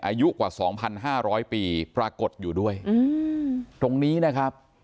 อายุกว่าสองพันห้าร้อยปีปรากฏอยู่ด้วยอืมตรงนี้นะครับ